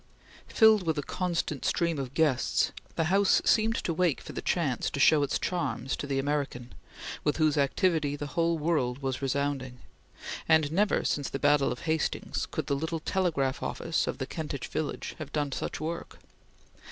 Filled with a constant stream of guests, the house seemed to wait for the chance to show its charms to the American, with whose activity the whole world was resounding; and never since the battle of Hastings could the little telegraph office of the Kentish village have done such work.